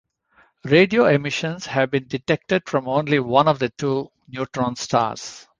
Radio emissions have been detected from only one of the two neutron stars.